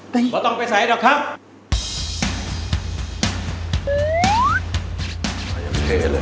ไม่ต้องไปใส่หรอกครับ